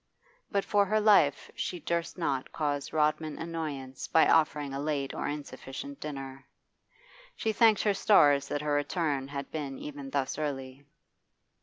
But for her life she durst not cause Rodman annoyance by offering a late or insufficient dinner. She thanked her stars that her return had been even thus early.